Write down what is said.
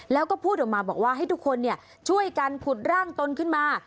แล้วก็พูดออกมาบอกว่าให้ทุกคนช่วยกันผุดร่างตนขึ้นมา